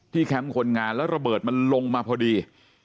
แคมป์คนงานแล้วระเบิดมันลงมาพอดี